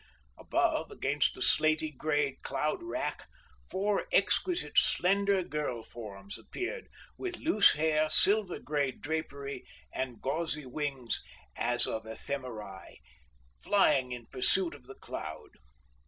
Above, against the slaty gray cloud wrack, four exquisite slender girl forms appeared, with loose hair, silver gray drapery and gauzy wings as of ephemerae, flying in pursuit of the cloud.